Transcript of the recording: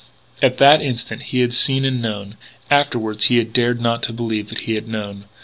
At that instant he had seen and known. Afterward he had dared not believe that he had known.